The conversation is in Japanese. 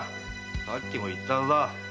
さっきも言ったはずだ。